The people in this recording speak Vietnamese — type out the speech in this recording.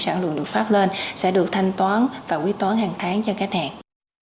sản lượng được phát lên sẽ được thanh toán và quy toán hàng tháng cho khách hàng